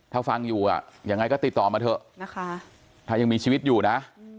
ถ้าฟังอยู่อ่ะยังไงก็ติดต่อมาเถอะนะคะถ้ายังมีชีวิตอยู่นะ